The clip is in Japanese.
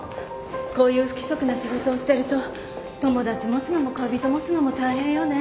こういう不規則な仕事をしてると友達持つのも恋人持つのも大変よね。